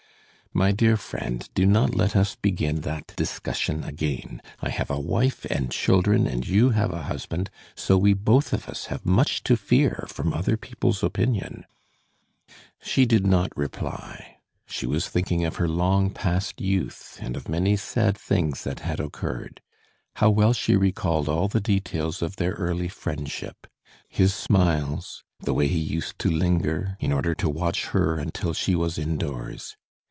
"My dear friend, do not let us begin that discussion again. I have a wife and children and you have a husband, so we both of us have much to fear from other people's opinion." She did not reply; she was thinking of her long past youth and of many sad things that had occurred. How well she recalled all the details of their early friendship, his smiles, the way he used to linger, in order to watch her until she was indoors.